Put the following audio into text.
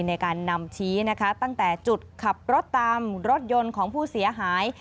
ในการนำชี้นะคะตั้งแต่จุดขับรถตามรถยนต์ของผู้เสียหาย